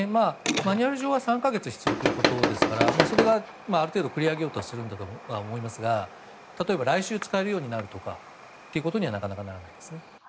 マニュアル上は３か月は必要ということですからそれがある程度、繰り上げようとするんだと思いますが例えば来週、使えるようになるとかっていうことにはなかなかならないですね。